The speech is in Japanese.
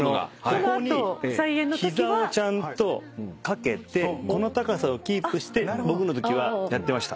ここに膝をちゃんとかけてこの高さをキープして僕のときはやってました。